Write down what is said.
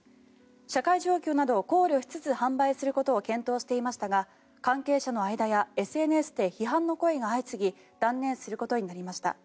社会状況などを考慮しつつ販売することを検討していましたが関係者の間やＳＮＳで批判の声が相次ぎ断念することになりました。